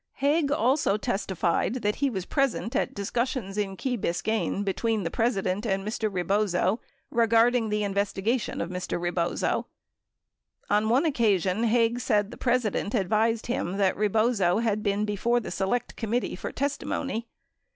6 Haig also testified that he was present at discussions in Key Biscayne between the President and Mr. Rebozo regarding the investigation of Mr. Rebozo. On one occa sion Haig said the President advised him that Rebozo had been before the Select Committee for testimony.